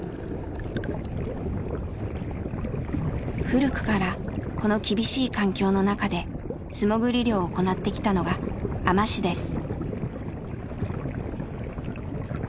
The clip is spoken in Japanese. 古くからこの厳しい環境の中で素もぐり漁を行ってきたのが海士です。